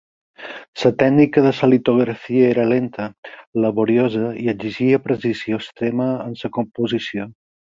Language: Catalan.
La tècnica de la litografia era lenta, laboriosa i exigia precisió extrema en la composició.